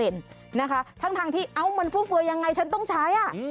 ทั้งที่เอ้ามันฟุ่มเฟือยังไงฉันต้องใช้